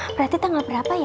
berarti tanggal berapa ya